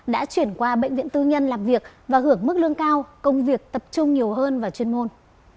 đã chuyển qua bệnh viện tư nhân làm việc và hưởng mức lương cao công việc tập trung nhiều hơn vào chuyên môn